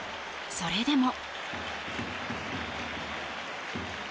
それでも。